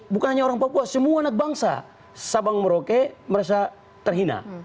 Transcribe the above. bukan hanya orang papua semua anak bangsa sabang merauke merasa terhina